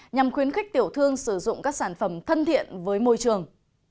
nhằm khuyến khích tiểu thương sử dụng các sản phẩm thân thiện với môi trường